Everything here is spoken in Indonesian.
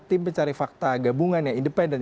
tim pencari fakta gabungan yang independen